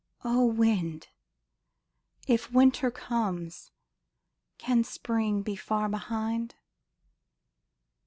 O Wind, If Winter comes, can Spring be far behind